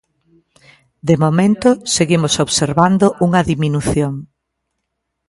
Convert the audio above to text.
De momento seguimos observando unha diminución.